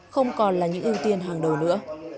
không còn là những ưu tiên hàng đầu nữa